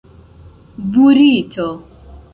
burito